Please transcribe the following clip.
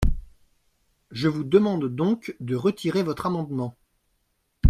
Je vous demande donc de retirer votre amendement.